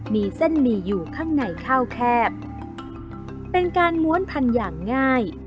มีเส้นหมี่อยู่ข้างในข้าวแคบเป็นการม้วนพันธุ์อย่างง่าย